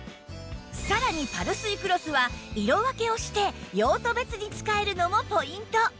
さらにパルスイクロスは色分けをして用途別に使えるのもポイント